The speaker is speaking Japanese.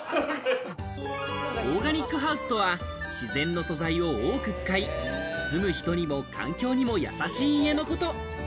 オーガニックハウスとは、自然の素材を多く使い、住む人にも環境にもやさしい家のこと。